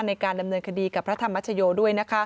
ในการดำเนินคดีกับพระธรรมชโยด้วย